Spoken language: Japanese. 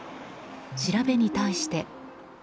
調べに対して。